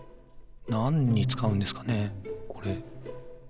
なんにつかうんですかねこれ？